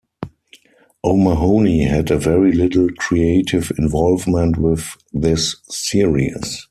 O'Mahony had very little creative involvement with this series.